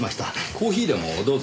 コーヒーでもどうぞ。